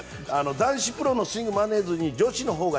男子プロのスイングをまねずに女子のほうが。